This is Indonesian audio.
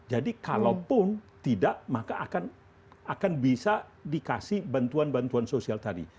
jadi kalaupun tidak maka akan bisa dikasih bantuan bantuan sosial tadi